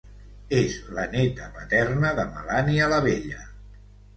És la neta paterna de Melania la Vella.